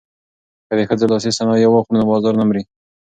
که د ښځو لاسي صنایع واخلو نو بازار نه مري.